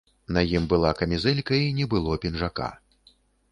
На ім была камізэлька і не было пінжака.